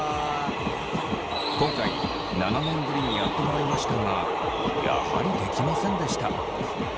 今回７年ぶりにやってもらいましたがやはりできませんでした。